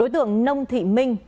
đối tượng nông thị minh